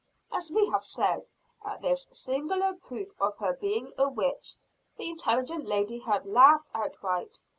As we have said, at this singular proof of her being a witch, the intelligent lady had laughed outright.